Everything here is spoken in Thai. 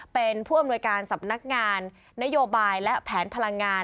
เป็นผู้อำนวยการสำนักงานนโยบายและแผนพลังงาน